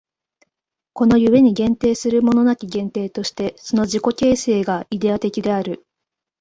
この故に限定するものなき限定として、その自己形成がイデヤ的である。